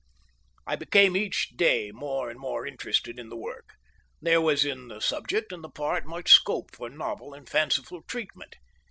I became each day more and more interested in the work; there was in the subject and the part much scope for novel and fanciful treatment.